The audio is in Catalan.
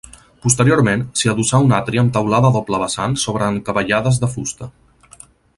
Posteriorment s'hi adossà un atri amb teulada a doble vessant sobre encavallades de fusta.